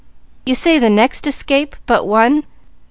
You say the next escape but one?